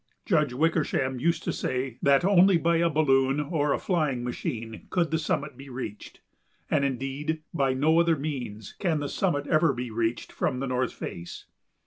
Judge Wickersham used to say that only by a balloon or a flying machine could the summit be reached; and, indeed, by no other means can the summit ever be reached from the north face.